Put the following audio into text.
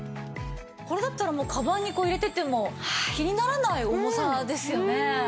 これだったらもうカバンに入れてても気にならない重さですよね。